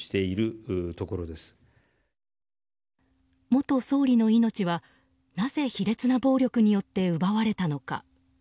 元総理の命はなぜ卑劣な暴力によって奪われたのか。